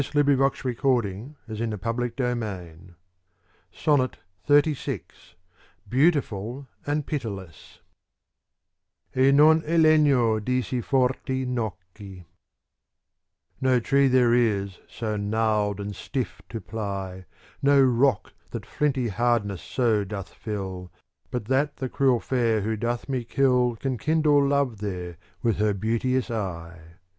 I do not see any adequate 99 CANZONIERE SONNET XXXVI ' 3) , Qx/vi BEAUTIFUL AND PITILESS E' non i legno di siforti nocchi No tree there is so gnarled and stiff to ply. No rock that flinty hardness so doth fill. But that the cruel fair who doth me kill Can kindle love there with her beauteous eye.